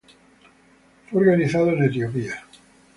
Fue organizado en Etiopía.